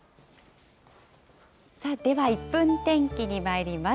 では、１分天気にまいります。